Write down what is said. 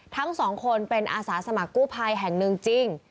ทั้งสองคนเป็นอาสาสมัครกู้ภัยแห่งหนึ่งจริง